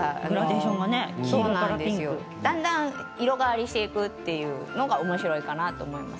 だんだん色変わりしていくというのがおもしろいかなと思います。